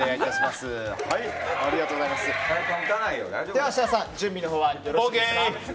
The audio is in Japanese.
では設楽さん準備のほうはよろしいですか。